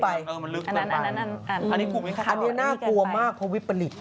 อันนั้นอันนี้น่ากลัวมากเพราะวิปริต